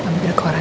ambil koran ya